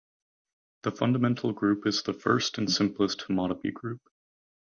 The fundamental group is the first and simplest homotopy group.